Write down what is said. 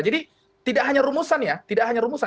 jadi tidak hanya rumusan ya